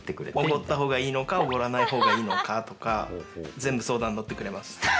おごった方がいいのかおごらない方がいいのかとか全部、相談乗ってくれます。